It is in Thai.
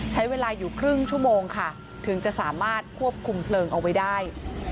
ใช้เวลาอยู่ครึ่งชั่วโมงค่ะถึงจะสามารถควบคุมเพลิงเอาไว้ได้